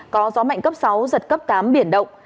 có gió mạnh cấp sáu giật cấp tám biển động